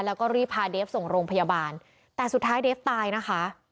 แล้วก็รีบพาเดฟส่งโรงพยาบาลแต่สุดท้ายเดฟตายนะคะ